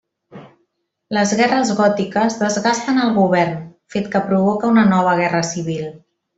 Les guerres gòtiques desgasten el govern, fet que provoca una nova guerra civil.